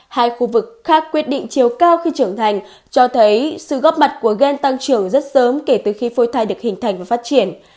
hai khu vực khác quyết định chiều cao khi trưởng thành cho thấy sự góp mặt của gen tăng trưởng rất sớm kể từ khi phôi thai được hình thành và phát triển